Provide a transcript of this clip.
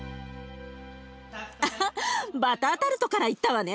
あっバタータルトからいったわね。